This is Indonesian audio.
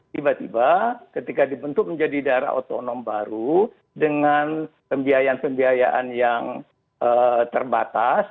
tiba tiba ketika dibentuk menjadi daerah otonom baru dengan pembiayaan pembiayaan yang terbatas